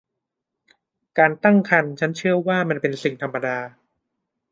การตั้งครรภ์ฉันเชื่อว่ามันเป็นสิ่งธรรมดา